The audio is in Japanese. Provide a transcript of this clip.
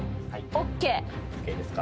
ＯＫですか？